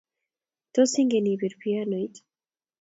Tos, ingen ipiir pianoit?